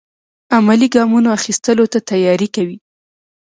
عملي ګامونو اخیستلو ته تیاری کوي.